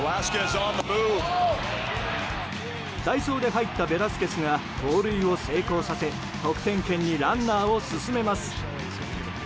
代走で入ったベラスケスが盗塁を成功させ得点圏にランナーを進めます。